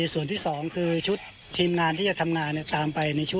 ส่วนที่สองคือชุดทีมงานที่จะทำงานกำลังไปนี้